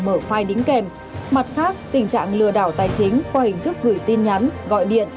mở file đính kèm mặt khác tình trạng lừa đảo tài chính qua hình thức gửi tin nhắn gọi điện